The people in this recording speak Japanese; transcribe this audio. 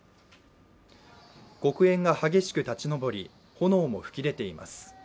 黒煙が激しく立ち上り、炎も吹き出ています。